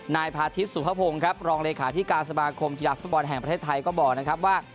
นายพาทิศสุภพงศ์ครับรองเลขาธิการสมาคมกีฬาฟุตบอลแห่งประเทศไทยก็บอกนะครับว่า